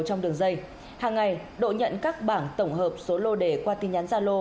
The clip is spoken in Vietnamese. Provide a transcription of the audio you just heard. trong đường dây hàng ngày độ nhận các bảng tổng hợp số lô để qua tin nhắn gia lô